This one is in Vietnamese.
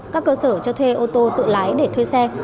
các cơ sở cho thuê ô tô tự lái để thuê xe